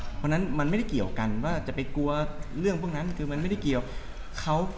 เพราะฉะนั้นมันไม่ได้เกี่ยวกันว่าจะไปกลัวเรื่องพวกนั้นคือมันไม่ได้เกี่ยวเขา